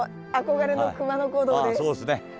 ああそうですね。